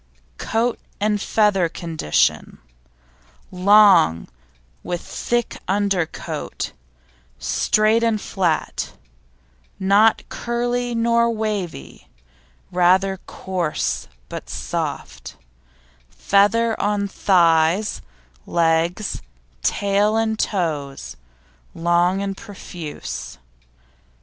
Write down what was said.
COAT AND FEATHER AND CONDITION Long, with thick undercoat; straight and flat, not curly nor wavy; rather coarse but soft; feather on thighs, legs, tail and toes, long and profuse.